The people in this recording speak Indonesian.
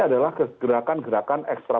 adalah gerakan gerakan ekstra